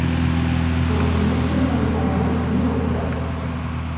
Rue Monseigneur de Cambon, Mirepoix